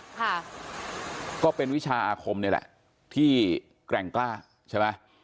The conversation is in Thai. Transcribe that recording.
ค่ะก็เป็นวิชาอาคมนี่แหละที่แกร่งกล้าใช่ไหม